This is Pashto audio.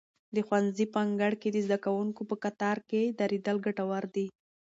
د ښوونځي په انګړ کې د زده کوونکو په کتار کې درېدل ګټور دي.